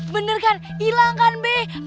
bener kan hilang kan beb